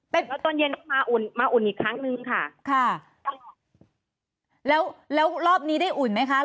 เป็นตอนเย็นมาอุ่นมาอุ่นอีกครั้งนึงค่ะค่ะแล้วแล้วรอบนี้ได้อุ่นไหมคะ